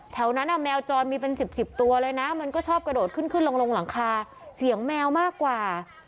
แถวนั้นแมวจอยมีเป็น๑๐ตัวเลยนะมันก็ชอบกระโดดขึ้นขึ้นลงหลังคาเสียงแมวมากกว่า